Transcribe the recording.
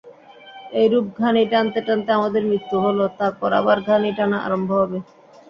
এইরূপ ঘানি টানতে টানতে আমাদের মৃত্যু হল, তারপর আবার ঘানি টানা আরম্ভ হবে।